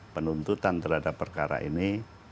penuntutan terhadap perkara ini